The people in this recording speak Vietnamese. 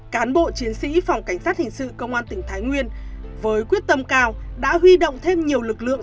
cán bộ chiến sĩ phòng cảnh sát hình sự công an tỉnh thái nguyên với quyết tâm cao đã huy động thêm nhiều lực lượng